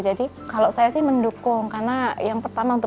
jadi kalau saya sih mendukung karena yang pertama untuk